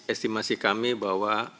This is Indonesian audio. estimasi kami bahwa